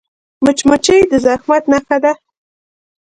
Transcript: مچمچۍ د زحمت نښه ده